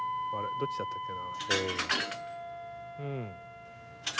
どっちだったっけな？